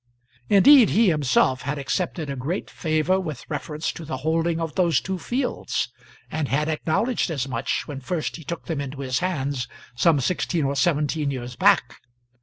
Indeed, he himself had accepted a great favour with reference to the holding of those two fields, and had acknowledged as much when first he took them into his hands some sixteen or seventeen years back.